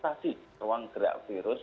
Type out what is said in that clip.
mengaktifkan ruang gerak virus